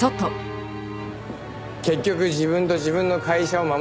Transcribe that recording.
結局自分と自分の会社を守るためか。